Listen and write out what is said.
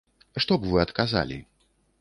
Што б вы адказалі?